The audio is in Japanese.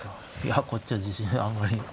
いやこっちは自信あんまり。